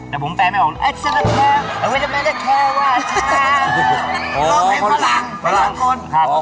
แต่ผมแปลงให้บอกอัดรายการเสร็จก็แค่ว่าร้องเพลงฝรั่งฝรั่งคน